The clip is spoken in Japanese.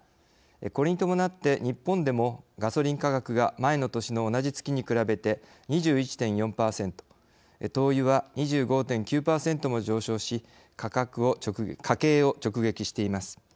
これに伴って日本でもガソリン価格が前の年の同じ月に比べて２１．４％灯油は２５．９％も上昇し家計を直撃しています。